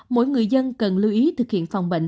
mỗi người dân cần lưu ý thực hiện phòng bệnh